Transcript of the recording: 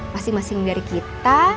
masing masing dari kita